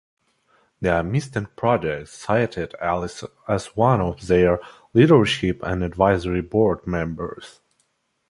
The Amistad Project cited Ellis as one of their "Leadership and Advisory Board" members.